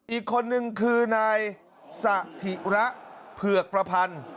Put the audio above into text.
อีกคนนึงคือนายสถิระเผือกประพันธ์